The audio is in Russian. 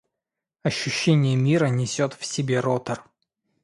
Ощущение мира несет в себе ротор.